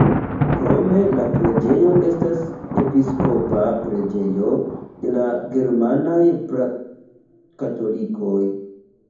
Krome la preĝejo estas episkopa preĝejo de la germanaj pra-katolikoj.